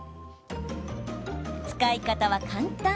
使い方は簡単。